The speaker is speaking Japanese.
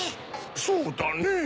そうだねぇ。